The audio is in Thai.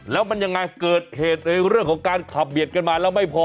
แล้วมันยังไงเกิดเหตุในเรื่องของการขับเบียดกันมาแล้วไม่พอ